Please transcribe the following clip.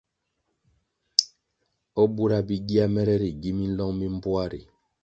O bura bi gia mere ri gi minlong mi mbpoa ri?